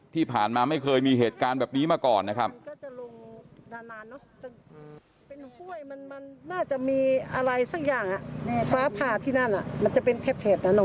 ที่ผ่านมาไม่เคยมีเหตุการณ์แบบนี้มาก่อนนะครับ